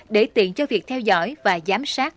để tiện cho việc theo dõi và giám sát